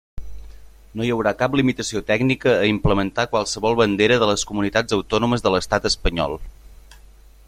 No hi haurà cap limitació tècnica a implementar qualsevol bandera de les comunitats autònomes de l'estat espanyol.